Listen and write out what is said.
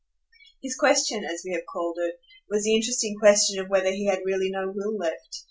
His question, as we have called it, was the interesting question of whether he had really no will left.